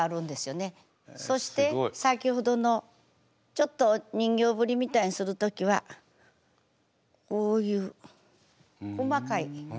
そして先ほどのちょっと人形振りみたいにする時はこういう細かい首の振り方。